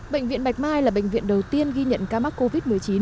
bệnh viện bạch mai là bệnh viện đầu tiên ghi nhận ca mắc covid một mươi chín